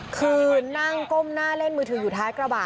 คือนั่งก้มหน้าเล่นมือถืออยู่ท้ายกระบะ